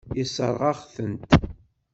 Yessṛeɣ-aɣ-tent.